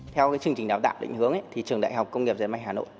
theo cái chương trình đào tạo định hướng thì trường đại học công nghiệp giới mãi hà nội